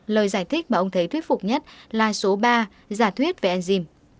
lời giải thích mà ông thấy thuyết phục nhất là số ba giả thuyết về enzym